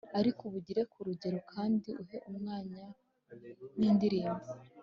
ariko ubigire ku rugero, kandi uhe umwanya n'indirimbo